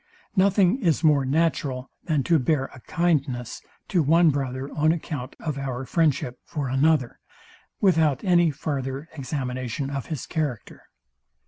Nothing is more natural than to bear a kindness to one brother on account of our friendship for another, without any farther examination of his character.